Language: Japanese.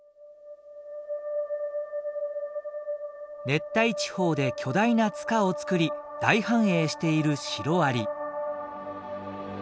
熱帯地方で巨大な塚を作り大繁栄しているシロアリ。